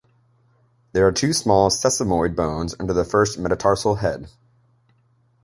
There are two small sesamoid bones under the first metatarsal head.